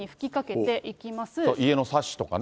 家のサッシとかね。